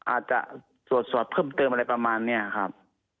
อาจจะสวดสวดเพิ่มเติมอะไรประมาณเนี่ยครับ